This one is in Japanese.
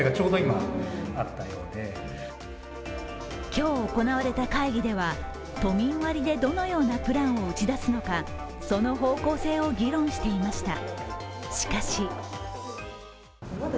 今日行われた会議では、都民割でどのようなプランを打ち出すのか、その方向性を議論していました。